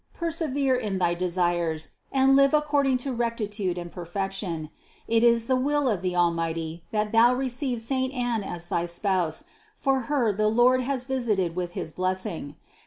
Persevere in thy desires and live according to rectitude and perfection. It is the will of the Almighty, that thou receive saint Anne as thy spouse, for her the Lord has visited with his blessing.